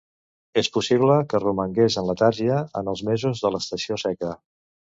És possible que romangués en letargia en els mesos de l'estació seca.